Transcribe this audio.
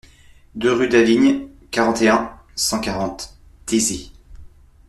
deux rue d'Avigne, quarante et un, cent quarante, Thésée